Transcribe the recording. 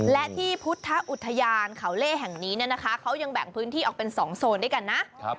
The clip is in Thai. และที่พุทธอุทยานเขาเล่แห่งนี้เขายังแบ่งพื้นที่ออกเป็น๒โซนด้วยกันนะ